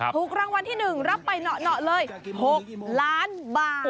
ถูกรางวัลที่หนึ่งรับไปหนอเลย๖ล้านบาท